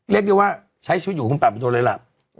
เรียกได้ว่าใช้ชีวิตอยู่คุณป่าประดนเลยล่ะ